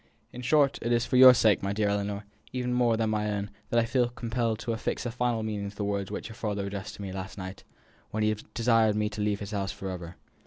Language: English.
In short, it is for your sake, my dear Ellinor, even more than for my own, that I feel compelled to affix a final meaning to the words which your father addressed to me last night, when he desired me to leave his house for ever.